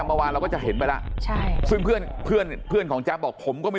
เมื่อวานเราก็จะเห็นไปแล้วใช่ซึ่งเพื่อนเพื่อนของแจ๊บบอกผมก็ไม่